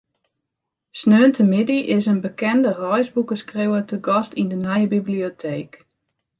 Sneontemiddei is in bekende reisboekeskriuwer te gast yn de nije biblioteek.